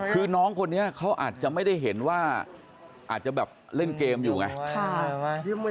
คือน้องคนนี้เขาอาจจะไม่ได้เห็นว่าอาจจะแบบเล่นเกมอยู่ไง